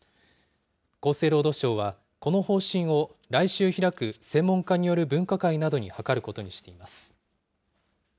厚生労働省はこの方針を来週開く専門家による分科会などに諮ることにしています。